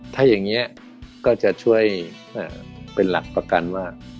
ถ้าอย่างนี้ก็จะช่วยเป็นหลักประกันว่า